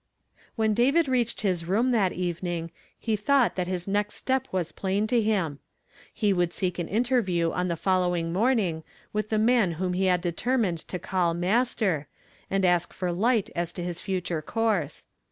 ' When David reached his room that evening, he thought that his next step was plain to him. He would seek an interview on the following morning with the man whom he had determined to call 'Master, and ask for light as to his future course.